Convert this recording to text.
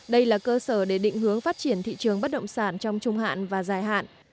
đây là cơ sở để định hướng phát triển thị trường bất động sản trong trung hạn và dài hạn